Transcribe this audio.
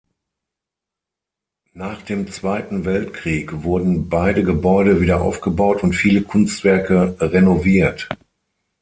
Nach dem Zweiten Weltkrieg wurden beide Gebäude wieder aufgebaut und viele Kunstwerke renoviert.